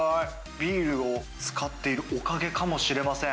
ビールを使っているおかげかもしれません。